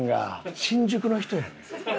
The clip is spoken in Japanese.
新宿の人やねん。